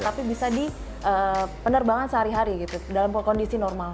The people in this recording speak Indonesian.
tapi bisa di penerbangan sehari hari gitu dalam kondisi normal